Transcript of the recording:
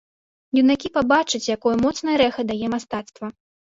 Юнакі пабачаць, якое моцнае рэха дае мастацтва.